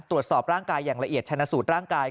ตรวจสอบร่างกายอย่างละเอียดชนะสูตรร่างกาย